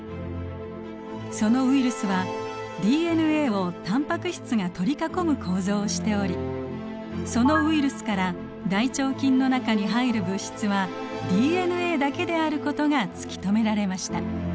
そのウイルスはＤＮＡをタンパク質が取り囲む構造をしておりそのウイルスから大腸菌の中に入る物質はＤＮＡだけであることが突き止められました。